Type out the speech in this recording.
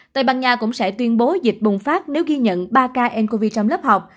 tây ban nha cũng sẽ tuyên bố dịch bùng phát nếu ghi nhận ba ca ncov trong lớp học